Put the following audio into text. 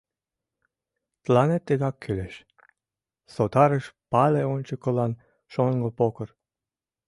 «Тыланет тыгак кӱлеш!» — сотарыш, Пале ончыкылан, шоҥго покыр